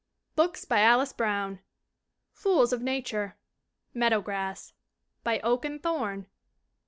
BOOKS BY ALICE BROWN Fools of Nature. Meadow Grass. By Oak and Thorn.